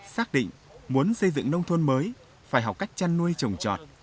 xác định muốn xây dựng nông thôn mới phải học cách chăn nuôi trồng trọt